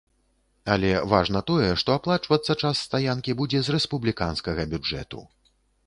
Але важна тое, што аплачвацца час стаянкі будзе з рэспубліканскага бюджэту.